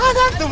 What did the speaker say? ada apaan sih